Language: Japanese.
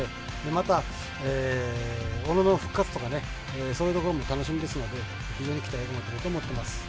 また小野の復活とかねそういうところも楽しみですので非常に期待が持てると思ってます。